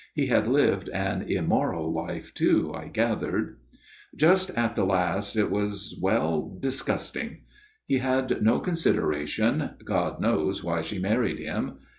He had lived an immoral life too, I gathered. " Just at the last it was well disgusting. He had no consideration (God knows why she married him